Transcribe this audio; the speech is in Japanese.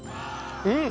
うん！